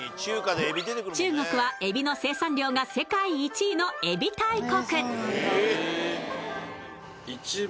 中国はえびの生産量が世界１位のえび大国。